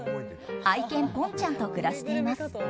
愛犬ぽんちゃんと暮らしています。